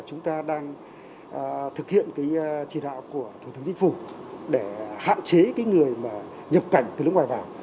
chúng ta đang thực hiện trì đạo của thủ tướng dịch phủ để hạn chế người nhập cảnh từ nước ngoài vào